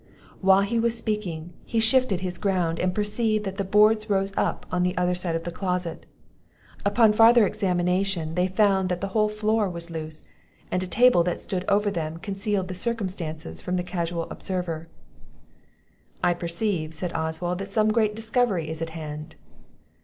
While he was speaking, he shifted his ground, and perceived that the boards rose up on the other side of the closet; upon farther examination they found that the whole floor was loose, and a table that stood over them concealed the circumstance from a casual observer. "I perceive," said Oswald, "that some great discovery is at hand."